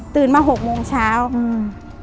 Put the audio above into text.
ตื่นมาหกโมงเช้าอืม